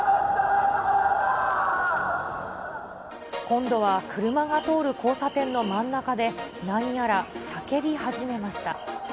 今度は車が通る交差点の真ん中で、何やら叫び始めました。